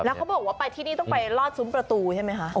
แล้วเขาบอกว่าที่นี่จะไปลอดสุมประตูใช่ไหมคะ